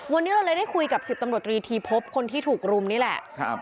วันนี้เราเลยได้คุยกับสิบตำรวจตรีทีพบคนที่ถูกรุมนี่แหละครับ